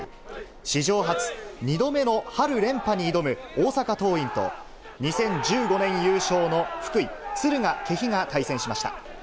史上初、２度目の春連覇に挑む大阪桐蔭と、２０１５年優勝の福井・敦賀気比が対戦しました。